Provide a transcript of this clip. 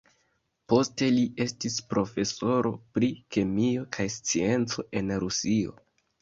Poste li estis profesoro pri kemio kaj scienco en Rusio.